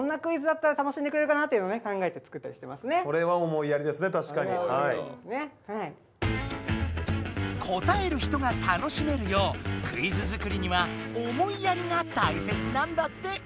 こんなかんじで答える人が楽しめるようクイズ作りには思いやりがたいせつなんだって。